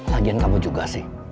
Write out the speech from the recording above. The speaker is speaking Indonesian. lagian kamu juga sih